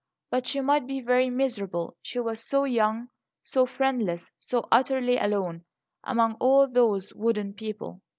But she might be very miserable; she was so young, so friendless, so utterly alone among all those wooden people.